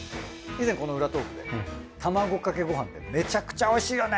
以前裏トークで卵かけごはんでめちゃくちゃおいしいよね！